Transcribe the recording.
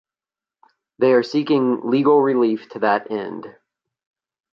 They are seeking legal relief to that end.